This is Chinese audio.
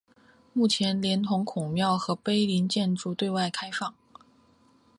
目前连同孔庙和碑林建筑对外开放。